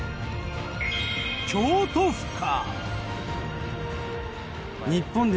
京都府か。